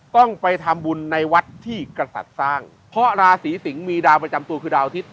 ต้องไปทำบุญในวัดที่กษัตริย์สร้างเพราะราศีสิงศ์มีดาวประจำตัวคือดาวอาทิตย